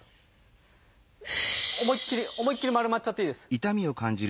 思いっきり思いっきり丸まっちゃっていいです。